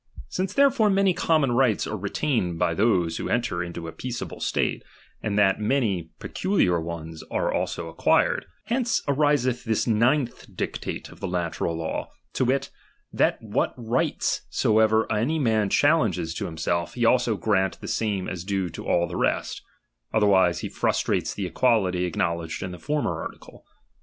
Since therefore many common rights are retained by those who enter into a peaceable state, and that many peculiar ones are also acquired, hence arigeth this ninth dictate of the natural law, to wit, that what rights soever any man challenges to himself, he also grant the same as due to all the rest ; otherwise he frustrates the equality acknow ledged in the former article.